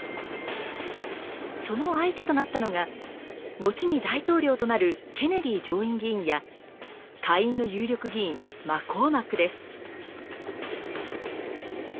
その相手となったのが後に大統領となるケネディ上院議員や下院の有力議員マコーマックです。